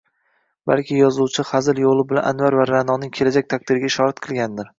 Balki yozuvchi hazil yo’li bilan Anvar va Ra’noning kelajak taqdiriga ishorat qilgandir?